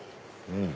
うん？